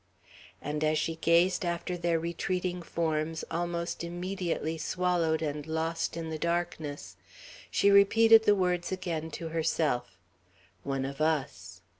And as she gazed after their retreating forms, almost immediately swallowed and lost in the darkness, she repeated the words again to herself, "One of us!